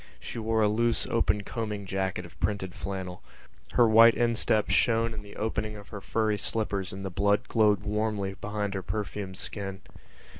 She wore a loose open combing jacket of printed flannel. Her white instep shone in the opening of her furry slippers and the blood glowed warmly behind her perfumed skin.